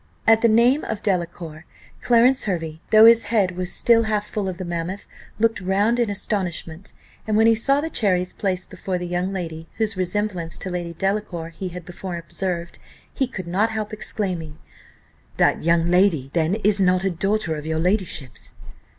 At the name of Delacour, Clarence Hervey, though his head was still half full of the mammoth, looked round in astonishment; and when he saw the cherries placed before the young lady, whose resemblance to Lady Delacour he had before observed, he could not help exclaiming, "That young lady then is not a daughter of your ladyship's?"